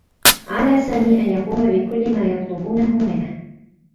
على سامي أن يقوم بكلّ ما يطلبونه منه.